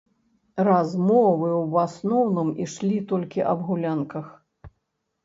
Размовы ў асноўным ішлі толькі аб гулянках.